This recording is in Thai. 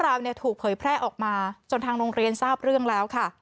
ถูกเผยแพร่ออกมาจนทางโรงเรียนทราบเรื่องแล้วค่ะ